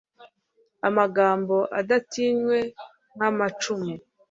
amagambo adatinywe nk'amacumu